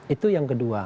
itu yang kedua